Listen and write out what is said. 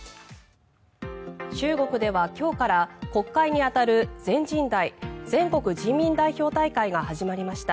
中国では今日から国会に当たる全人代・全国人民代表大会が始まりました。